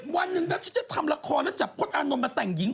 วันหนึ่งนักชิดจะทำละครแล้วจับผนอานน้วนมาแต่งหญิง